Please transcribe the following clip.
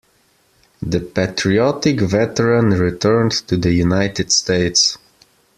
The patriotic veteran returned to the United States.